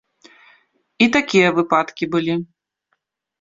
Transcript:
І такія выпадкі былі.